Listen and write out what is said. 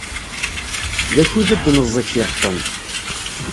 D akud ad d-neẓẓeg tiɣeṭṭen.